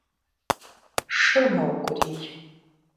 Шыр мэукӀурий…